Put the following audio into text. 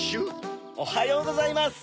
おはようございます！